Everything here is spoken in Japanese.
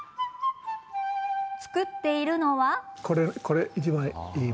作っているのは。